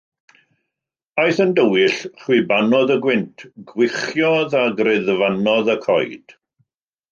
Aeth yn dywyll, chwibanodd y gwynt, gwichiodd a griddfanodd y coed.